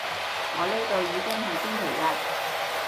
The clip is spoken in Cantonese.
我呢度已經係星期日